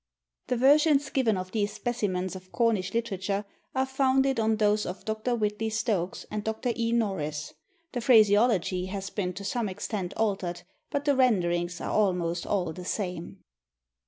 [The versions given of these specimens of Cornish literature are founded on those of Dr. Whitley Stokes and Dr. E. Norris. The phraseology has been to some extent altered, but the renderings are almost all the same.